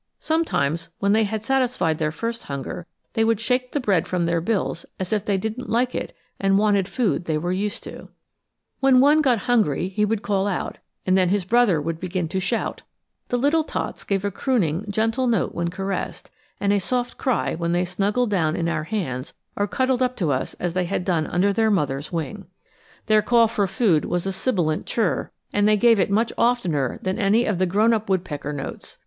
Sometimes, when they had satisfied their first hunger, they would shake the bread from their bills as if they didn't like it and wanted food they were used to. [Illustration: JACOB AND BAIRDI VISITING THE OLD NEST TREE] When one got hungry he would call out, and then his brother would begin to shout. The little tots gave a crooning gentle note when caressed, and a soft cry when they snuggled down in our hands or cuddled up to us as they had done under their mother's wing. Their call for food was a sibilant chirr, and they gave it much oftener than any of the grown up woodpecker notes.